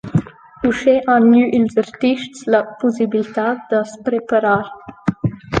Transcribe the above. Uschè han gnü ils artists la pussibiltà da’s preparar.